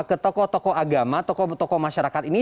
ke tokoh tokoh agama tokoh tokoh masyarakat ini